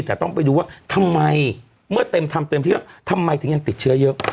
แต่ต้องไปดูว่าทำไมเมื่อเต็มทำเต็มที่แล้วทำไมถึงยังติดเชื้อเยอะ